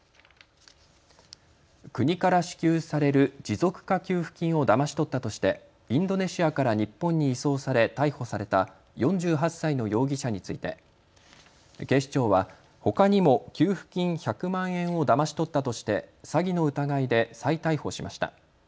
国から支給される持続化給付金をだまし取ったとしてインドネシアから日本に移送され逮捕された４８歳の容疑者について警視庁はほかにも給付金１００万円をだまし取ったとして詐欺の疑いで再逮捕しました。